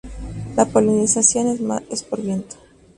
La polinización es por viento.